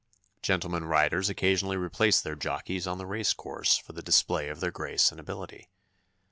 Gentlemen riders occasionally replace their jockeys on the race course for the display of their grace and ability.